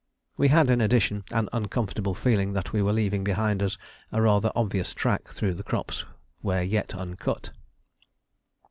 We had, in addition, an uncomfortable feeling that we were leaving behind us a rather obvious track through the crops where yet uncut.